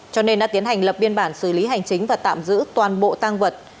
cho nên đã tiến hành lập biên bản xử lý hành chính và tạm giữ toàn bộ tăng vật